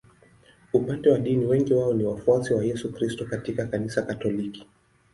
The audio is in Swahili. Upande wa dini wengi wao ni wafuasi wa Yesu Kristo katika Kanisa Katoliki.